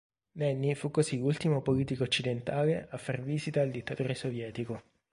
Nenni fu così l'ultimo politico occidentale a far visita al dittatore sovietico.